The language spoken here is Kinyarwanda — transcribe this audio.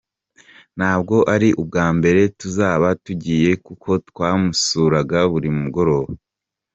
Ntabwo ari ubwa mbere tuzaba tugiyeyo kuko twamusuraga buri mugoroba.